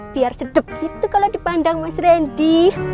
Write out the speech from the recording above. biar sedep gitu kalau dipandang mas randy